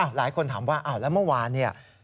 หลายคนถามว่าอ้าวแล้วเมื่อวานเนี่ย